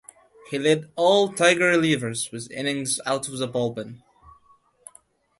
He led all Tiger relievers with innings out of the bullpen.